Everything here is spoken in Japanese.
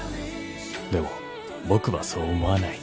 でも僕はそう思わない。